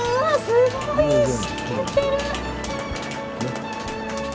すごい透けてる！